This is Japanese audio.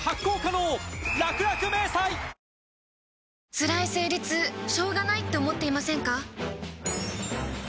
つらい生理痛しょうがないって思っていませんか？